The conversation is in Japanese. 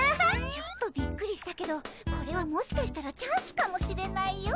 ちょっとびっくりしたけどこれはもしかしたらチャンスかもしれないよ。